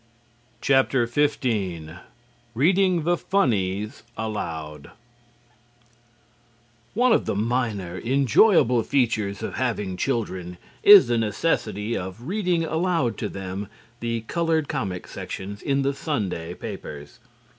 XV READING THE FUNNIES ALOUD One of the minor enjoyable features of having children is the necessity of reading aloud to them the colored comic sections in the Sunday papers.